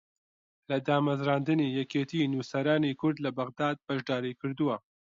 لە دامەزراندنی یەکێتی نووسەرانی کورد لە بەغداد بەشداری کردووە